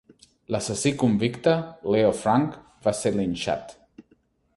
L'assassí convicte, Leo Frank, va ser linxat.